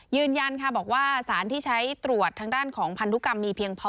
ยืนยันค่ะบอกว่าสารที่ใช้ตรวจทางด้านของพันธุกรรมมีเพียงพอ